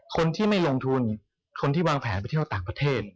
คนที่ไม่ลงทุนคนที่วางแผนไปเที่ยวต่างประเทศ